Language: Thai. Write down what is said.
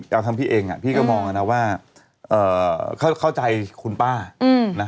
ให้ชื่อถ้ากับพี่จริงจะว่าเข้าใจคุณป้าน่ะ